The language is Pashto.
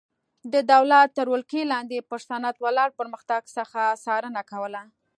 د دولت تر ولکې لاندې پر صنعت ولاړ پرمختګ څخه څارنه کوله.